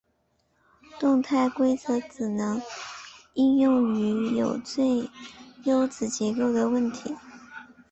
动态规划只能应用于有最优子结构的问题。